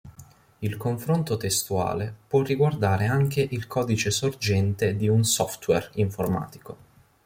Il confronto testuale può riguardare anche il codice sorgente di un "software" informatico.